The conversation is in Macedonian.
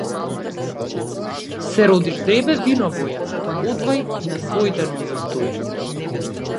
Се роди ждребе вино-боја, одвај на своите нозе стои.